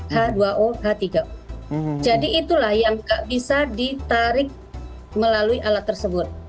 h dua o h tiga jadi itulah yang bisa ditarik melalui alat tersebut